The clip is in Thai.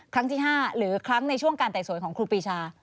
ครั้งที่๕หรือครั้งในช่วงการไต่สวนของครูปีชา